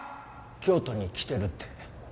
京都に来てるって。